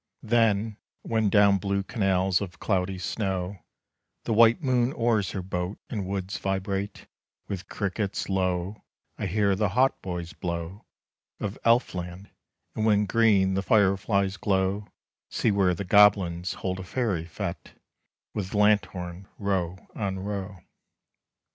Then, when down blue canals of cloudy snow The white moon oars her boat, and woods vibrate With crickets, lo, I hear the hautboys blow Of Elf land; and when green the fireflies glow, See where the goblins hold a Fairy Fête With lanthorn row on row.